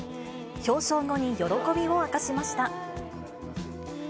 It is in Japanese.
表彰後に喜びを明かしました。